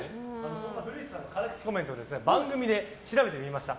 古市さんの辛口コメントを番組で調べてみました。